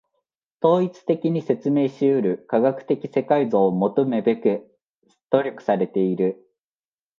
統一的に説明し得る科学的世界像を求むべく努力されている。